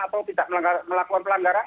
atau tidak melakukan pelanggaran